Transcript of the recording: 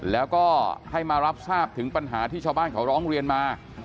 แล้วก็ให้มารับทราบถึงปัญหาที่ชาวบ้านเขาร้องเรียนมา